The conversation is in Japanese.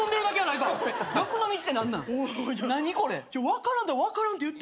分からんなら分からんって言って。